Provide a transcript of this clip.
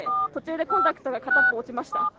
途中でコンタクトがかたっぽ落ちました。